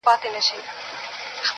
يو چا تضاده کړم، خو تا بيا متضاده کړمه.